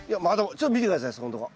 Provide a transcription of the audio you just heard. ちょっと見て下さいそこんとこ。